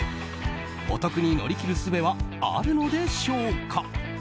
お得に乗り切るすべはあるのでしょうか。